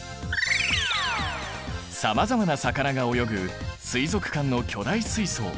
さまざまな魚が泳ぐ水族館の巨大水槽。